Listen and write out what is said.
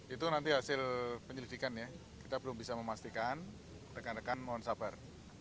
itu nanti hasil penyelidikan ya kita belum bisa memastikan rekan rekan mohon sabar